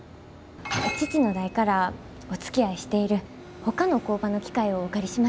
父の代からおつきあいしているほかの工場の機械をお借りしました。